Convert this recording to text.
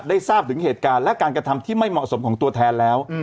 ทราบถึงเหตุการณ์และการกระทำที่ไม่เหมาะสมของตัวแทนแล้ว